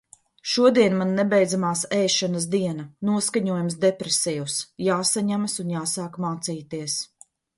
Šodien man nebeidzamās ēšanas diena. Noskaņojums depresīvs. Jāsaņemas un jāsāk mācīties.